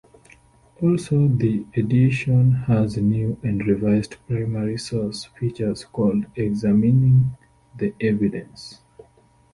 Also the edition has new and revised primary source features called "Examining the Evidence".